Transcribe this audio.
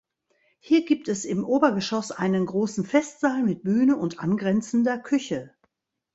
Hier gibt es im Obergeschoss einen großen Festsaal mit Bühne und angrenzender Küche.